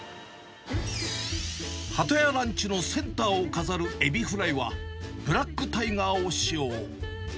ハトヤランチのセンターを飾るエビフライは、ブラックタイガーを使用。